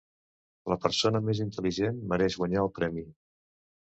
La persona més intel·ligent mereix guanyar el premi.